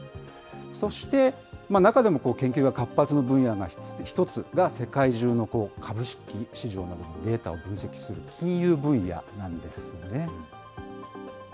そして中でも研究が活発な分野の一つが世界中の株式市場などのデータを分析する金融分野なんですね。